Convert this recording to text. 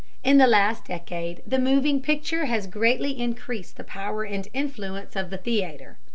In the last decade the moving picture has greatly increased the power and influence of the theatre.